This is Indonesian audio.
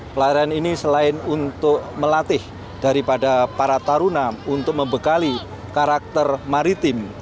pelayaran ini selain untuk melatih daripada para taruna untuk membekali karakter maritim